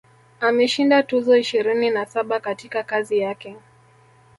Ameshinda tuzo ishirini na saba katika kazi yake